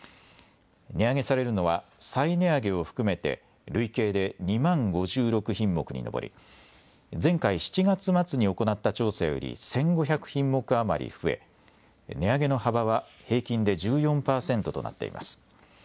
値上げされるのは再値上げを含めて累計で２万５６品目に上り前回７月末に行った調査より１５００品目余り増え値上げの幅は平均で１４％となっています。